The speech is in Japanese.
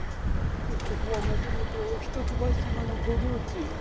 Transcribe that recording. ここはもともと一橋様のご領地。